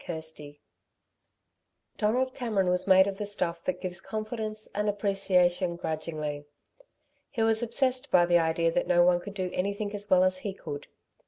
CHAPTER XXV Donald Cameron was made of the stuff that gives confidence and appreciation grudgingly. He was obsessed by the idea that no one could do anything as well as he could.